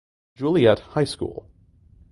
Juliet High school.